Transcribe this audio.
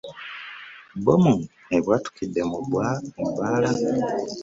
Bbomu ebwatukidde mu bbaala.